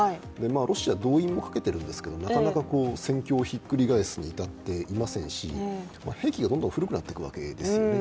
ロシアは動員もかけているんですけどなかなか戦況を覆すに至っていませんし兵器がどんどん古くなっていくわけですよね。